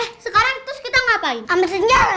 eh sekarang terus kita ngapain ambil senjata